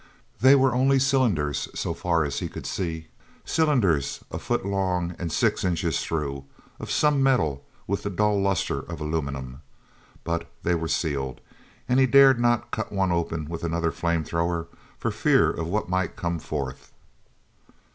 They were only cylinders, so far as he could see, cylinders a foot long and six inches through, of some metal with the dull lustre of aluminum. But they were sealed, and he dared not cut one open with another flame thrower for fear of what might come forth.